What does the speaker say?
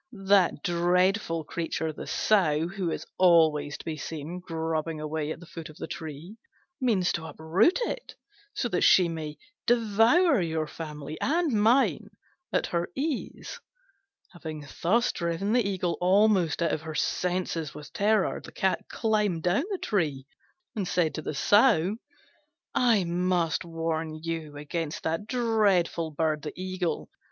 That dreadful creature, the Sow, who is always to be seen grubbing away at the foot of the tree, means to uproot it, that she may devour your family and mine at her ease." Having thus driven the Eagle almost out of her senses with terror, the Cat climbed down the tree, and said to the Sow, "I must warn you against that dreadful bird, the Eagle.